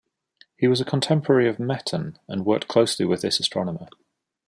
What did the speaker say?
He was a contemporary of Meton and worked closely with this astronomer.